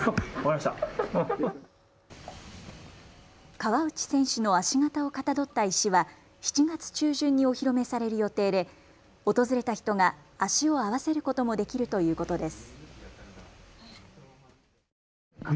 川内選手の足形をかたどった石は７月中旬にお披露目される予定で訪れた人が足を合わせることもできるということです。